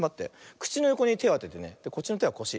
くちのよこにてをあててねこっちのてはこし。